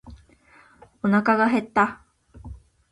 おなかが減った。